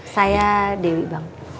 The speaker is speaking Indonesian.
saya dewi bang